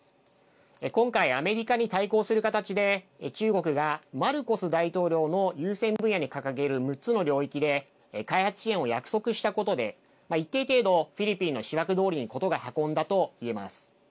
今回アメリカに対抗する形で中国がマルコス大統領の優先分野に掲げる６つの領域で開発支援を約束したことで一定程度フィリピンの思惑どおりに事が運んだといえます。